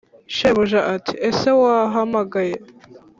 Shebuja ati: » ese wahamagaye ?»